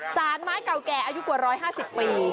สารไม้เก่าแก่อายุกว่า๑๕๐ปี